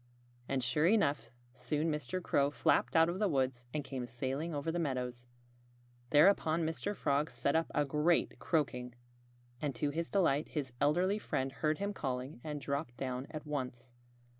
And sure enough! soon Mr. Crow flapped out of the woods and came sailing over the meadows. Thereupon Mr. Frog set up a great croaking. And to his delight his elderly friend heard him calling and dropped down at once.